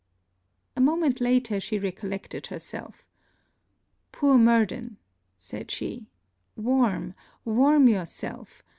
A moment after, she recollected herself. 'Poor Murden!' said she, 'Warm! warm yourself!